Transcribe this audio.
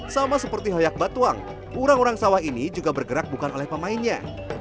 sama seperti hoyak batuang orang orang sawah ini juga bergerak bukan oleh pemainnya